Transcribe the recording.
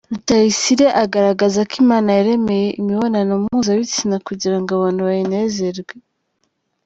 Rutayisire agaragaza ko Imana yaremeye imibonano mpuzabitsina kugira ngo abantu bayinezerwe.